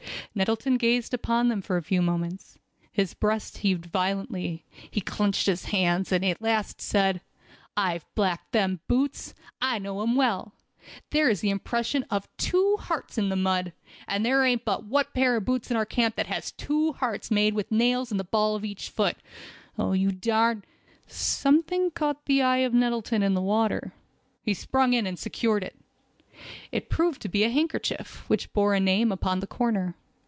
Nettleton gazed upon them for a few moments. His breast heaved violently—he clenched his hands, and at last said: "I've blacked them boots. I know 'em well—there is the impression of the two hearts in the mud, and there ain't but one pair of boots in our camp as has two hearts made with nails in the ball of each boot. Oh, you darn—" Something caught the eye of Nettleton in the water. He sprung in and secured it. It proved to be a handkerchief, which bore a name upon the corner.